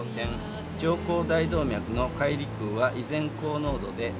「上行大動脈の解離腔は依然高濃度で」。